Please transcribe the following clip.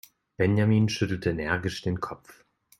Benjamin schüttelte energisch den Kopf.